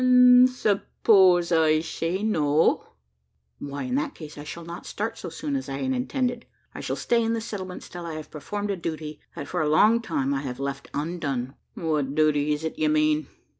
"An' s'pose I say no?" "Why, in that case, I shall not start so soon as I had intended. I shall stay in the settlements till I have performed a duty that, for a long time, I have left undone." "What duty is't you mean?"